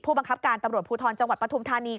บังคับการตำรวจภูทรจังหวัดปฐุมธานี